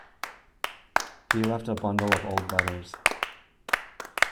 He left a bundle of old letters.